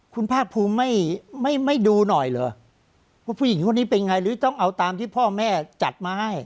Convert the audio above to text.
คุณภาคภูมิไม่ดูหน่อยเหรอว่าผู้หญิงคนนี้เป็นไงหรือต้องเอาตามที่พ่อแม่จัดมาให้